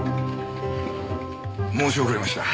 申し遅れました。